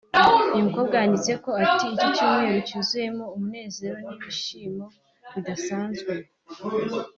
uyu mukobwa yanditse ati “ Icyumweru cyuzuyemo umunezero n’ibishimo bidasanzwe …